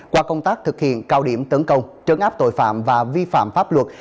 qua công tác thực hiện cao điểm tấn công trấn áp tội phạm và vi phạm pháp luật